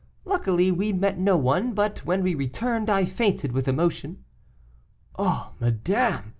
Luckily we met no one, but when we returned, I fainted with emotion." "Oh! madame!"